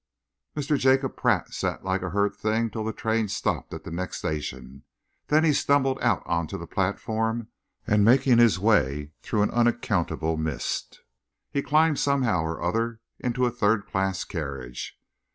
Mr. Jacob Pratt sat like a hurt thing till the train stopped at the next station. Then he stumbled out on to the platform, and, making his way through an unaccountable mist, he climbed somehow or other into a third class carriage.